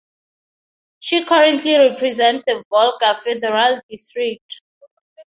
She currently represents the Volga Federal District.